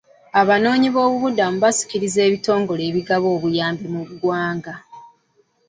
Abanoonyibobubudamu basikiriza ebitongole ebigabi by'obuyambi mu ggwanga.